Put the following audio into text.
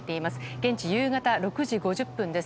現地、夕方６時５０分です。